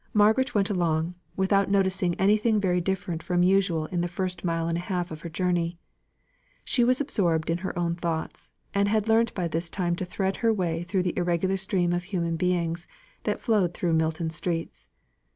Margaret went along, without noticing anything very different from usual in the first mile and a half of her journey; she was absorbed in her own thoughts, and had learnt by this time to thread her way through the irregular stream of human beings that flowed through Milton streets.